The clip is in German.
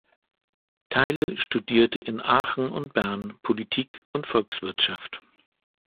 Theile studierte in Aachen und Bern Politik und Volkswirtschaft.